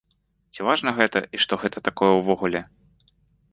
Ці важна гэта і што гэта такое ўвогуле?